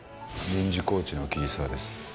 臨時コーチの桐沢です。